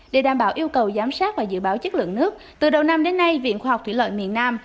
để đảm bảo yêu cầu giám sát và dự báo chất lượng nước từ đầu năm đến nay viện khoa học thủy lợi miền nam